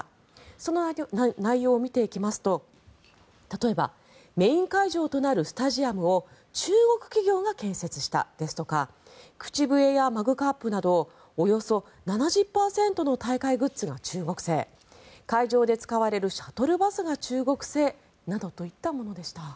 その内容を見ていきますと例えばメイン会場となるスタジアムを中国企業が建設したですとか口笛やマグカップなどおよそ７０％のグッズが中国製会場で使われるシャトルバスが中国製などといったものでした。